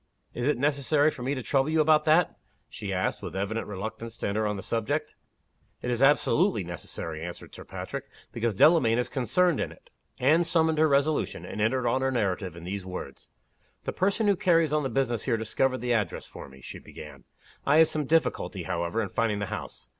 "Is it necessary for me to trouble you about that?" she asked with evident reluctance to enter on the subject. "It is absolutely necessary," answered Sir Patrick, "because Delamayn is concerned in it." Anne summoned her resolution, and entered on her narrative in these words: "The person who carries on the business here discovered the address for me," she began. "I had some difficulty, however, in finding the house.